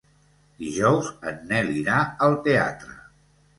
Dijous en Nel irà al teatre.